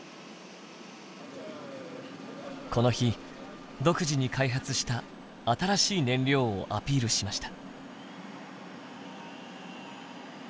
この日独自に開発した新しい燃料をアピールしました。